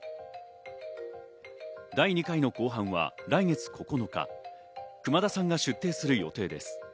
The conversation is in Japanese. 第２回の公判は来月９日、熊田さんが出廷する予定です。